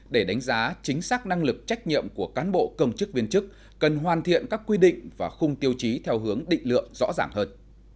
để đánh giá chính xác năng lực trách nhiệm của cán bộ công chức viên chức cần hoàn thiện các quy định và khung tiêu chí theo hướng định lượng rõ ràng hơn